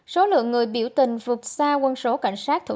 số lượng người biểu tình vượt xa quân số cảnh sát thủ